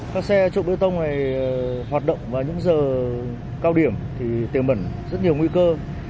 các xe trộm bê tông này hoạt động vào những giờ cao điểm thì tiềm mẩn rất nhiều nguy cơ